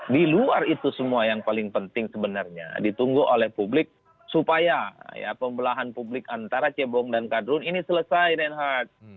di luar itu semua yang paling penting sebenarnya ditunggu oleh publik supaya pembelahan publik antara cebong dan kadrun ini selesai reinhardt